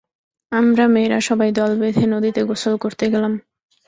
আমরা মেয়েরা সবাই দল বেঁধে নদীতে গোসল করতে গেলাম।